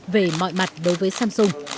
về mọi mặt đối với samsung